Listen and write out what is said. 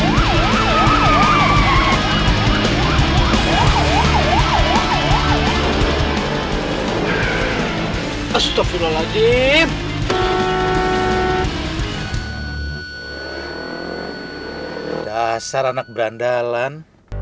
berdasar anak berandalan